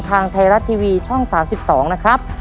ทางไทยรัฐทีวีช่อง๓๒นะครับ